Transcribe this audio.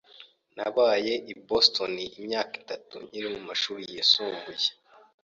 Nabaye i Boston imyaka itatu nkiri mu mashuri yisumbuye.